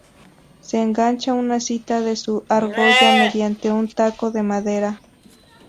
Se engancha una cinta de su argolla mediante un 'taco' de madera'.